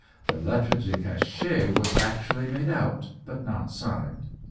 The lettre de cachet was actually made out, but not signed.